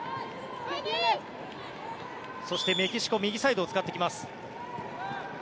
そして、メキシコ右サイドを使ってきます。